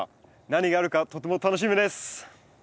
何があるかとても楽しみです。